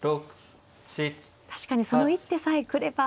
確かにその一手さえ来れば。